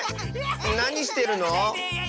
なにしてるの？